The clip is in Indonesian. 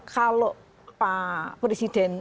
kalau pak presiden